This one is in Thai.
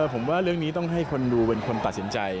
ผมว่าเรื่องนี้ต้องให้คนดูเป็นคนตัดสินใจ